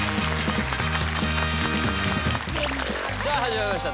さあ始まりました